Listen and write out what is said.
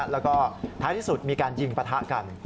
แล้วก็ท้ายที่สุดมีการยิงปะทะกัน